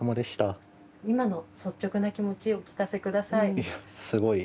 今の率直な気持ちお聞かせください。